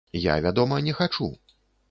Я, вядома, не хачу.